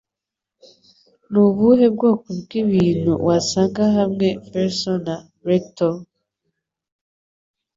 Nubuhe bwoko bwibintu wasanga hamwe Verso na Recto?